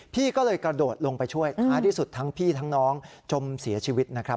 พี่ก็เลยกระโดดลงไปช่วยท้ายที่สุดทั้งพี่ทั้งน้องจมเสียชีวิตนะครับ